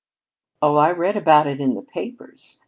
"Oh, I read about it in the papers.